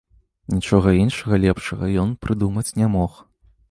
Нічога іншага лепшага ён прыдумаць не мог.